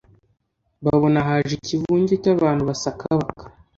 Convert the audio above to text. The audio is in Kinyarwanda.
babona haje ikivunge cy'abantu basakabaka